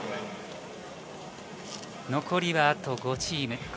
残りは、あと５チーム。